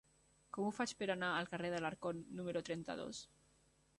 Com ho faig per anar al carrer d'Alarcón número trenta-dos?